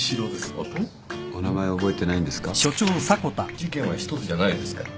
事件は一つじゃないですから。